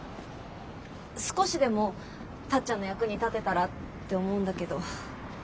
少しでもタッちゃんの役に立てたらって思うんだけど。